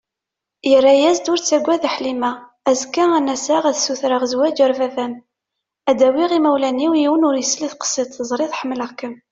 Yerra-as-d: Ur ttaggad a Ḥlima, azekka ad n-aseɣ ad sutreɣ zwaǧ ar baba-m, ad d-awiɣ imawlan-iw, yiwen ur isel tseqsiḍt, teẓriḍ ḥemmleɣ-kem.